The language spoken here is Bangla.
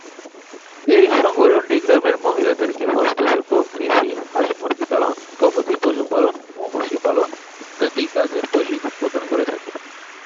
এই সংগঠনটি গ্রামের মহিলাদেরকে হস্তশিল্প, কৃষি, হাঁস-মুরগী পালন, গবাদিপশু পালন, মৌমাছি পালন, ইত্যাদি কাজের প্রশিক্ষণ প্রদান করে থাকে।